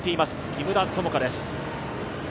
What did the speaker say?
木村友香です。